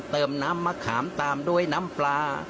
น้ำมะขามตามด้วยน้ำปลา